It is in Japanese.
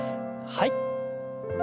はい。